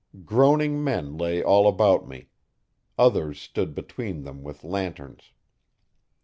Groaning men lay all about me; others stood between them with lanterns.